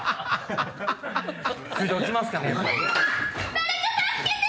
誰か助けて！